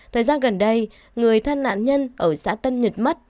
thời gian gần đây người thân nạn nhân ở xã tân nhật mất